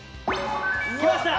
来ました！